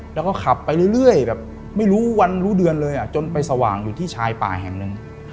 แล้วก็ขับไปเรื่อยแบบไม่รู้วันรู้เดือนเลยจนไปสว่างอยู่ที่ชายป่าแห่งหนึ่ง